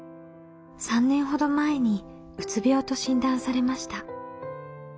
３年ほど前にうつ病と診断されました。